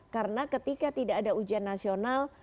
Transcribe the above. karena ketika tidak ada ujian nasional